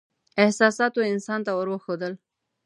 احساساتو انسان ته ور وښودل.